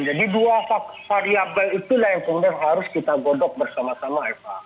jadi dua variabel itulah yang kemudian harus kita godok bersama sama eva